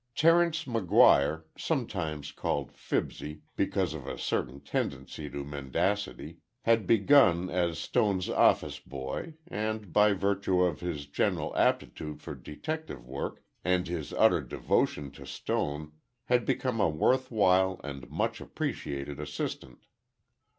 Terence McGuire, sometimes called Fibsy, because of a certain tendency to mendacity, had begun as Stone's office boy, and, by virtue of his general aptitude for detective work and his utter devotion to Stone, had become a worthwhile and much appreciated assistant.